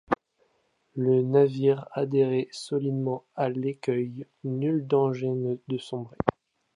Le navire adhérait solidement à l’écueil ; nul danger de sombrer.